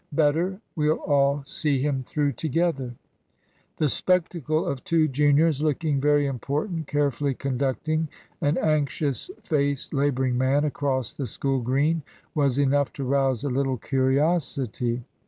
"Better. We'll all see him through together." The spectacle of two juniors, looking very important, carefully conducting an anxious faced labouring man across the School Green, was enough to rouse a little curiosity.